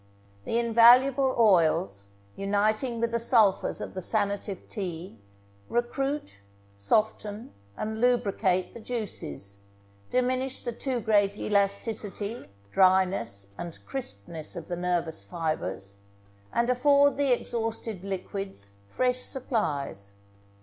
The invaluable oils, uniting with the sulphurs of the sanative tea, recruit, soften, and lubricate the juices, diminish the too great elasticity, dryness, and crispness of the nervous fibres, and afford the exhausted liquids fresh supplies.